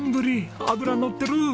脂のってる！